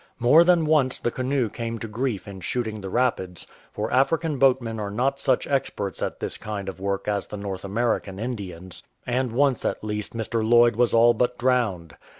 More than once the canoe came to grief in shooting the rapids, for African boatmen are not such experts at this kind of work as the North American Indians; and once at least Mr. Lloyd was all but drowned.